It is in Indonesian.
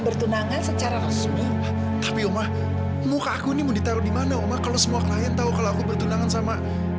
bertunangan secara resmi tapi oma muka aku ini mau ditaruh di mana oma kalau semua klien tahu kalau aku bertunangan sama